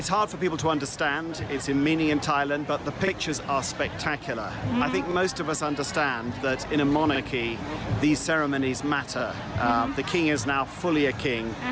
เราต้องดูว่าที่มันได้การการและมีการที่มันทำงาน